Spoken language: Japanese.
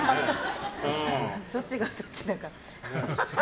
どっちがどっちだか。